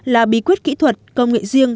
là bí quyết kỹ thuật công nghệ riêng